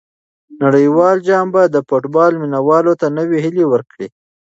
نړیوال جام به د فوټبال مینه والو ته نوې هیلې ورکړي.